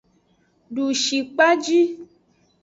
Dushikpaji.